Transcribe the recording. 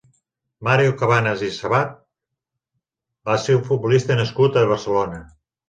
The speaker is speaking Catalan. Mario Cabanes i Sabat va ser un futbolista nascut a Barcelona.